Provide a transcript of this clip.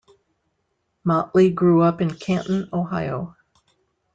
Motley grew up in Canton, Ohio.